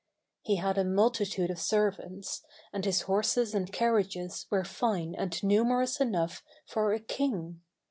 He had a multitude of servants, and his horses and carriages were fine and numer ous enough for a king.